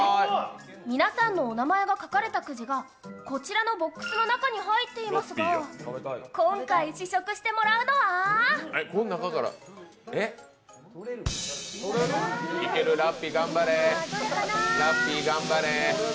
皆さんのお名前が書かれたくじがこちらのボックスの中に入っていますが今回、試食してもらうのはらっぴー頑張れ。